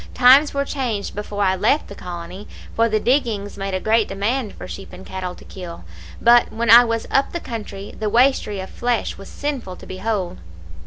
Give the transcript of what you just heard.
Times were changed before I left the colony, for the diggings made a great demand for sheep and cattle to kill; but when I was up the country the waistrie of flesh was sinful to behold.